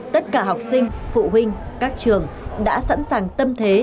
tất cả học sinh phụ huynh các trường đã sẵn sàng tâm thế